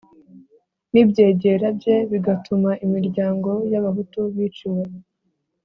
n'ibyegera bye, bigatuma imiryango y'abahutu biciwe